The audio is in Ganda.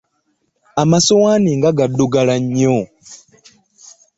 Amasowaani nga gadugala nnyo.